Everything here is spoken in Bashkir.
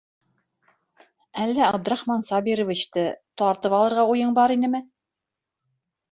Әллә Абдрахман Сабировичты тартып алырға уйың бар инеме?